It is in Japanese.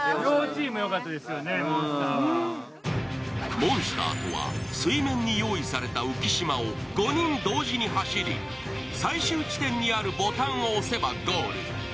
モンスターとは、水面に用意された浮島を５人同時に走り、最終地点にあるボタンを押せばゴール。